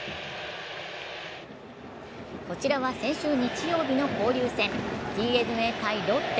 こちらは先週日曜日の交流戦ＤｅＮＡ×ロッテ。